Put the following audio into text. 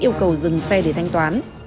yêu cầu dừng xe để thanh toán